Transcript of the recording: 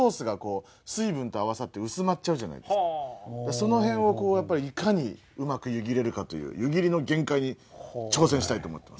その辺をこうやっぱりいかにうまく湯切れるかという湯切りの限界に挑戦したいと思ってます。